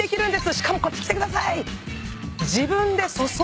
しかもこっち来てください。